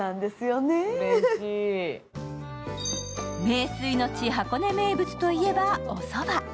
名水の地・箱根名物といえばおそば。